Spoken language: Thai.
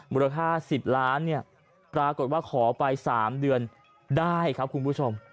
มูลค่า๑๐ล้านปรากฏว่าขอไป๓เดือนได้ครับคุณผู้ชม